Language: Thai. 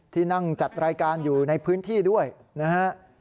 ที่นั่งจัดรายการอยู่ในพื้นที่ด้วยนะฮะ